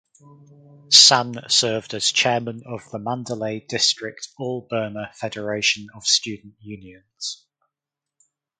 San served as chairman of the Mandalay District All Burma Federation of Student Unions.